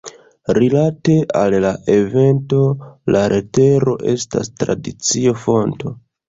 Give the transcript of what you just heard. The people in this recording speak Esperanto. Rilate al la evento, la letero estas tradicio-fonto.